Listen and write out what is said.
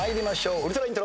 ウルトライントロ。